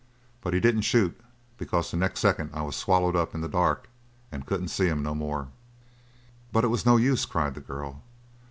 But he didn't shoot, because the next second I was swallowed up in the dark and couldn't see him no more." "But it was no use!" cried the girl.